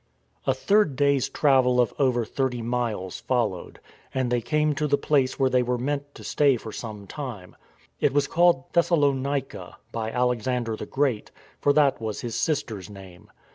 A third day's travel of over thirty miles followed, and they came to the place where they meant to stay 200 THE GOAD OF GOD 201 for some time. It was called Thessalonica by Alex ander the Great, for that was his sister's name.